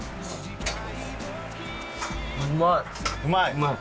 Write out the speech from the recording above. うまい！